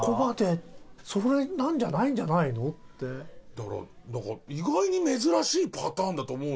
だから意外に珍しいパターンだと思うんですよ。